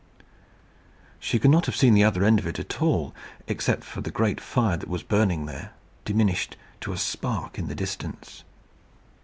She could not have seen the other end of it at all, except for the great fire that was burning there, diminished to a spark in the distance.